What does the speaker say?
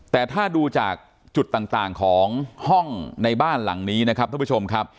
แต่ถ้าดูจากจุดต่างของห้องในบ้านหลังนี้นะครับท่านผู้ชมครับ